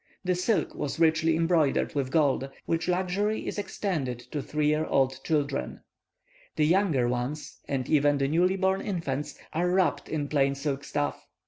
The silk was richly embroidered with gold, which luxury is extended to three year old children. The younger ones, and even the newly born infants, are wrapped in plain silk stuff.